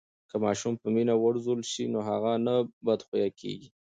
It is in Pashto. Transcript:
که ماشوم په مینه و روزل سي نو هغه نه بدخویه کېږي.